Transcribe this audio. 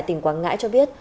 tỉnh quảng ngãi cho biết